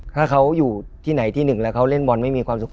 ถ้าเขาอยู่ที่ไหนที่หนึ่งแล้วเขาเล่นบอลไม่มีความสุข